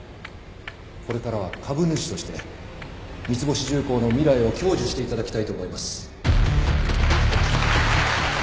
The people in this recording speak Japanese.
これからは株主として三ツ星重工の未来を享受していただきたいと思います。